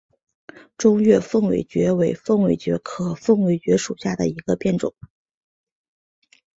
中越凤尾蕨为凤尾蕨科凤尾蕨属下的一个变种。